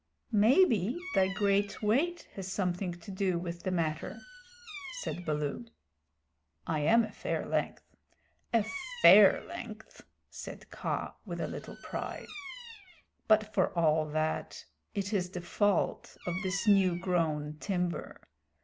"Maybe thy great weight has something to do with the matter," said Baloo. "I am a fair length a fair length," said Kaa with a little pride. "But for all that, it is the fault of this new grown timber.